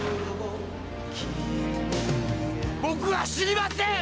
「僕は死にません」